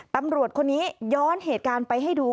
ตำรวจคนนี้ย้อนเหตุการณ์ไปให้ดู